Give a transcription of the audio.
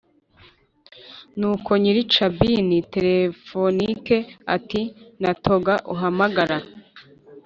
nuko nyiri cabine telephonique ati «natoga uhamagara